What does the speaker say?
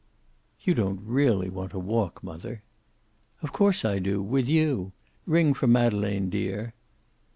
"You don't really want to walk, mother." "Of course I do, with you. Ring for Madeleine, dear."